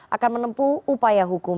akan menempuh upaya hukum